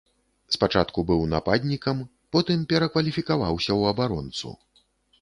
Спачатку быў нападнікам, потым перакваліфікаваўся ў абаронцу.